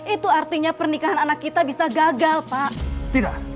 itu artinya pernikahan anak kita bisa gagal pak